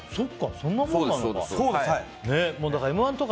そんなものなのか。